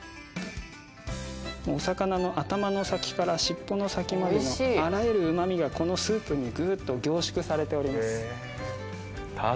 お魚の頭の先から尻尾の先までのあらゆるうま味がこのスープにぐっと凝縮されております。